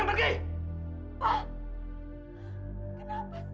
pergi saya bilang pergi